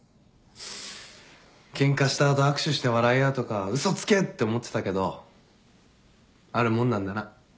ケンカした後握手して笑い合うとか嘘つけって思ってたけどあるもんなんだな。